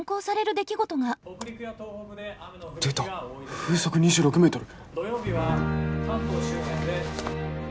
出た風速２６メートル。